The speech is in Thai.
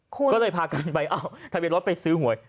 ก็เลยพากันไปเอาทะเบียนรถไปซื้อหวย